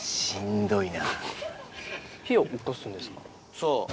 そう。